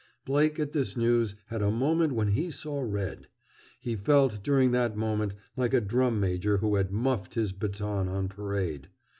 Blake, at this news, had a moment when he saw red. He felt, during that moment, like a drum major who had "muffed" his baton on parade.